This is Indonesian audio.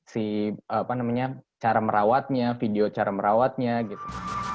si apa namanya cara merawatnya video cara merawatnya gitu